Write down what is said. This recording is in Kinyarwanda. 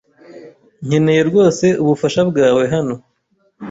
Nkeneye rwose ubufasha bwawe hano.